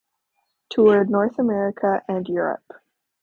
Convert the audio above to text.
Toured North America and Europe.